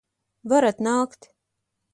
Varat nākt!